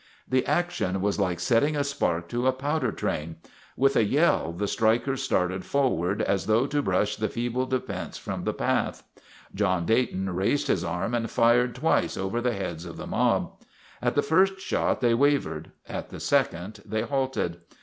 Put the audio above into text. The action was like setting a spark to a powder train. With a yell the strikers started forward as though to brush the feeble defense from the path. John Dayton raised his arm and fired twice over the heads of the mob. At the first shot they wavered; at the second they halted.